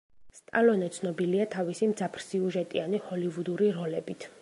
სტალონე ცნობილია თავისი მძაფრსიუჟეტიანი ჰოლივუდური როლებით.